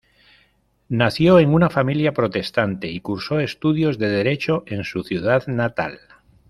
Nació en una familia protestante y cursó estudios de Derecho en su ciudad natal.